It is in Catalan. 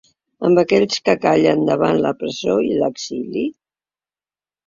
Amb aquells que callen davant la presó i l’exili?